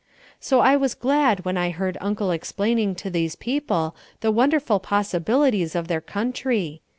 So I was glad when I heard Uncle explaining to these people the wonderful possibilities of their country.